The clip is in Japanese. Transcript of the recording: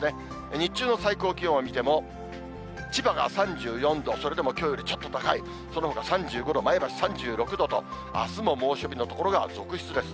日中の最高気温を見ても、千葉が３４度、それでもきょうよりちょっと高い、そのほか３５度、前橋３６度と、あすも猛暑日の所が続出です。